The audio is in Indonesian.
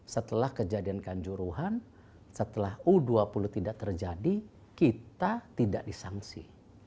setelah kejadian kanjuruhan setelah u dua puluh tidak terjadi kita tidak disangsi